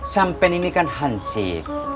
sampe ini kan hansit